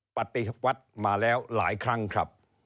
ปฏิวัติมาแล้วหลายครั้งครับ